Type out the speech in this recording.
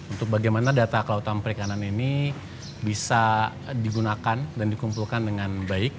untuk bagaimana data kelautan perikanan ini bisa digunakan dan dikumpulkan dengan baik